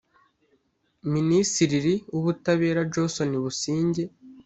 Minisiriri w’Ubutabera Johnston Busingye